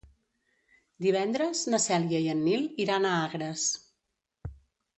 Divendres na Cèlia i en Nil iran a Agres.